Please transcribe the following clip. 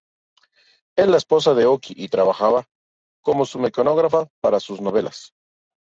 Es la esposa de Oki, y trabaja como su mecanógrafa para sus novelas.